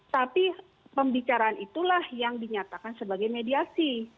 tapi pembicaraan itulah yang dinyatakan sebagai mediasi